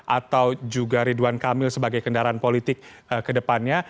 atau juga ridwan kamil sebagai kendaraan politik ke depannya